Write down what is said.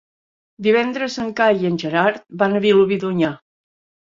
Divendres en Cai i en Gerard van a Vilobí d'Onyar.